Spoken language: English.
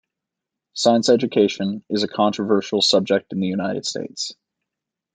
Science education is a controversial subject in the United States.